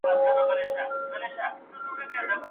یو له بله کړو پوښتني لکه ښار د ماشومانو.